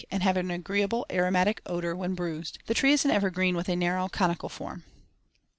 13, and have an agreeable aromatic odor when bruised. The tree is an evergreen with a narrow conical form.